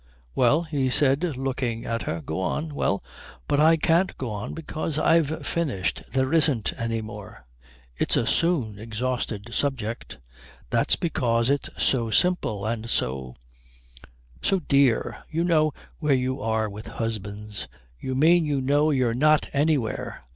"Well?" he said, looking at her, "go on." "Well, but I can't go on because I've finished. There isn't any more." "It's a soon exhausted subject." "That's because it's so simple and so so dear. You know where you are with husbands." "You mean you know you're not anywhere."